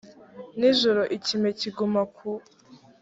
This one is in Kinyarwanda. nijoro ikime kiguma ku